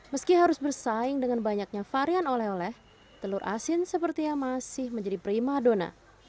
meski harus bersaing dengan banyaknya varian oleh oleh telur asin sepertinya masih menjadi prima dona